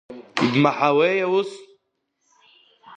Ибмаҳауеи аус!